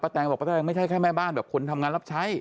แตงบอกป้าแตงไม่ใช่แค่แม่บ้านแบบคนทำงานรับใช้